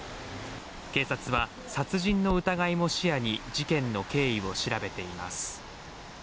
警察は殺人の疑いも視野に事件の経緯を調べています